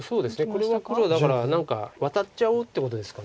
これは黒だから何かワタっちゃおうってことですか